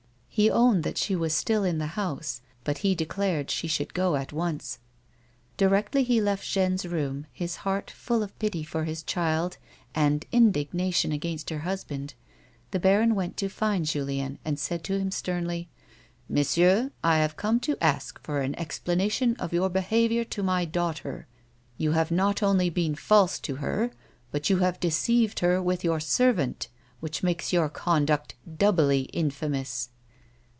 He owned that she was still in the house, but he declared she should go at once. Directly he left Jeanne's room, his heart full of pity for his child and indignation against her husband, the baron went to find Julien, and said to him sternly :" Monsieur, I have come to ask for an explanation of your behaviour to my daughter. You have not only been false 112 A WOMAN'S LIFE. to her, but you liave deceived Jier with your servant, which makes your conduct doubly infamous."